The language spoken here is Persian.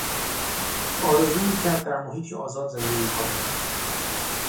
آرزو میکرد در محیطی آزاد زندگی کند.